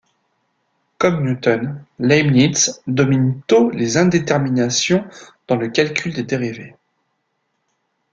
Comme Newton, Leibniz domine tôt les indéterminations dans le calcul des dérivées.